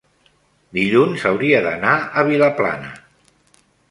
dilluns hauria d'anar a Vilaplana.